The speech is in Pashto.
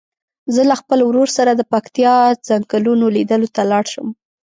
زه له خپل ورور سره د پکتیا څنګلونو لیدلو ته لاړ شم.